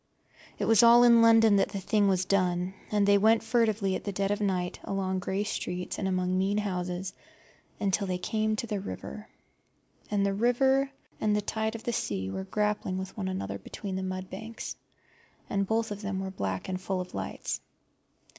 It was all in London that the thing was done, and they went furtively at dead of night along grey streets and among mean houses until they came to the river. And the river and the tide of the sea were grappling with one another between the mud banks, and both of them were black and full of lights.